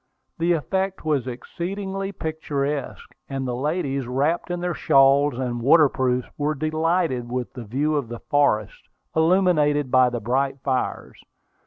The effect was exceedingly picturesque; and the ladies, wrapped in their shawls and water proofs, were delighted with the view of the forest, illuminated by the bright fires.